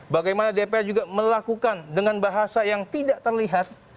bagaimana dpr juga melakukan dengan bahasa yang tidak terlihat